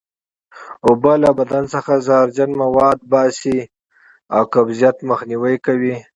اوبه له بدن څخه زهرجن مواد وباسي او قبضیت مخنیوی کوي